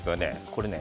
これね